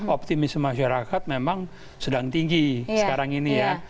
optimisme masyarakat memang sedang tinggi sekarang ini ya